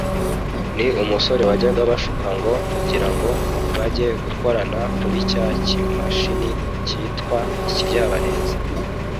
Ni umusore wajyaga abashuka ngo kugira ngo bajye bakorana kuri cya kimashini cyitwa ikiryabarezi